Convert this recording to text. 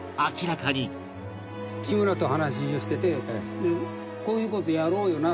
志村と話をしてて「こういう事やろうよな」